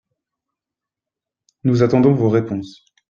Nous attendons vos réponses